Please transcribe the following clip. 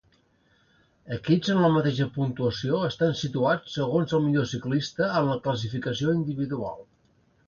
Equips amb la mateixa puntuació estan situats segons el millor ciclista en la classificació individual.